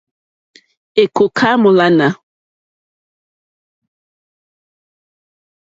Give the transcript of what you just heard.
Èkòká mólánà.